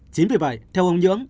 chính vì vậy theo ông nhưỡng